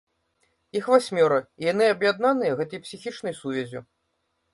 Іх васьмёра, і яны аб'яднаныя гэтай псіхічнай сувяззю.